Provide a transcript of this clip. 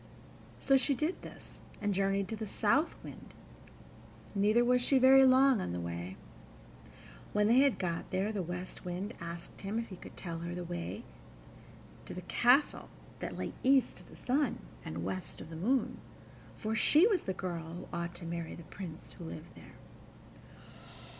So she did this, and journeyed to the South Wind, neither was she very long on the way. When they had got there, the West Wind asked him if he could tell her the way to the castle that lay east of the sun and west of the moon, for she was the girl who ought to marry the Prince who lived there.